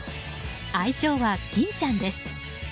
愛称は吟ちゃんです。